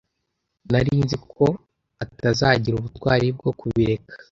Nari nzi ko atazagira ubutwari bwo kubireka.